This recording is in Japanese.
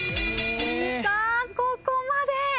さあここまで。